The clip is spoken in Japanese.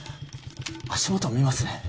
足元見ますね